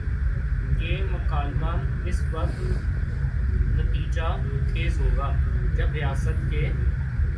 یہ مکالمہ اسی وقت نتیجہ خیز ہو گا جب ریاست کے